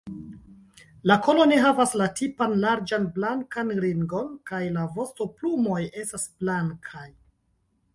La kolo ne havas la tipan larĝan blankan ringon, kaj la vostoplumoj estas blankaj.